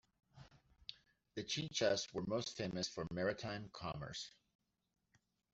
The Chinchas were most famous for maritime commerce.